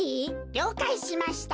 りょうかいしました。